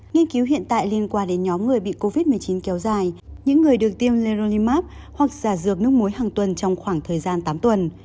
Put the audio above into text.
nghiên cứu hiện tại liên quan đến nhóm người bị covid một mươi chín kéo dài những người được tiêm lerolimax hoặc giả dược nước muối hàng tuần trong khoảng thời gian tám tuần